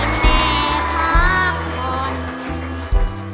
รู้ทำงานหลอกไม่พบกับแม่